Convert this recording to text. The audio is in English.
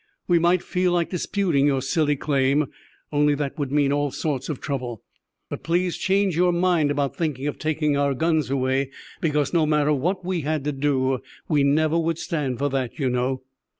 "We might feel like disputing your silly claim, only that would mean all sorts of trouble. But please change your mind about thinking of taking our guns away, because no matter what we had to do we never would stand for that, you know."